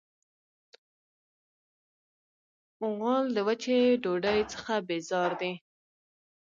غول د وچې ډوډۍ څخه بیزار دی.